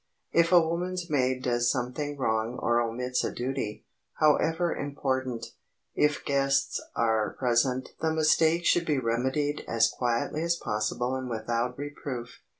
If a woman's maid does something wrong or omits a duty, however important, if guests are present the mistake should be remedied as quietly as possible and without reproof.